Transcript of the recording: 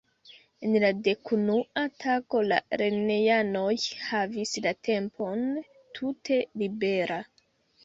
En la dekunua tago la lernejanoj havis la tempon tute libera.